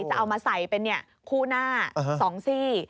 จะเอามาใส่เป็นคู่หน้า๒ซี่